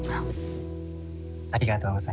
ありがとうございます。